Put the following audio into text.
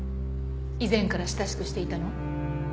以前から親しくしていたの？